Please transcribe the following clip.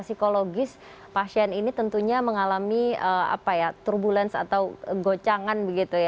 psikologis pasien ini tentunya mengalami turbulensi atau gocangan